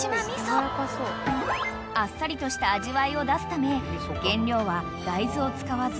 ［あっさりとした味わいを出すため］